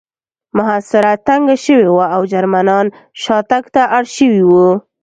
محاصره تنګه شوې وه او جرمنان شاتګ ته اړ شوي وو